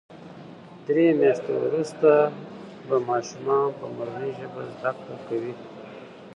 درې میاشتې وروسته به ماشومان په مورنۍ ژبه زده کړه کوي.